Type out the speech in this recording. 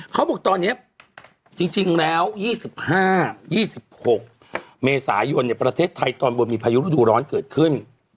เขาบอกตอนนี้จริงแล้ว๒๕๒๖เมษายนประเทศไทยตอนบนมีพายุฤดูร้อนเกิดขึ้น